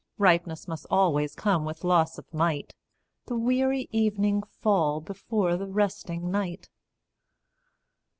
Ripeness must always come with loss of might. The weary evening fall before the resting night.